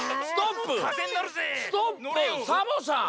ストップサボさん！